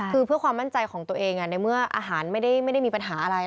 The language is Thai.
คือเพื่อความมั่นใจของตัวเองในเมื่ออาหารไม่ได้มีปัญหาอะไร